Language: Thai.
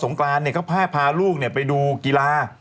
สงกรานพาลูกไปดูกีฬา